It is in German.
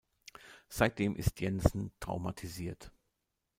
Seitdem ist Jensen traumatisiert.